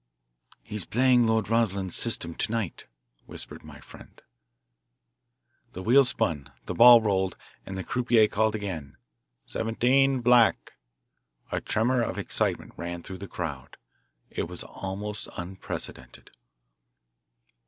"He's playing Lord Rosslyn's system, to night," whispered my friend. The wheel spun, the ball rolled, and the croupier called again, "Seventeen, black." A tremor of excitement ran through the crowd. It was almost unprecedented.